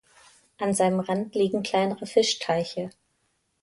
An seinem Rand liegen kleinere Fischteiche.